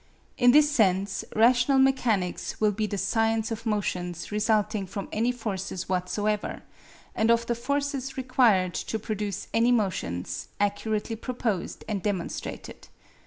In this sense rational mechanics will be the science of motions resulting from any forces whatsoever, and of the forces required to produce any motions, accurately proposed and demonstrated.